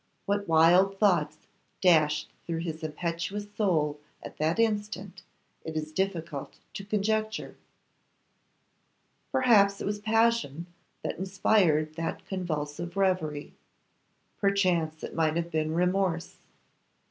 What wild thoughts dashed through his impetuous soul at that instant, it is difficult to conjecture. Perhaps it was passion that inspired that convulsive reverie; perchance it might have been remorse.